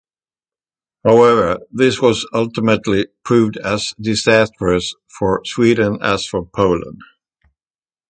However, this war ultimately proved as disastrous for Sweden as for Poland.